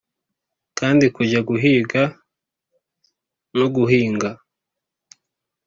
kandi kujya guhiga no guhinga.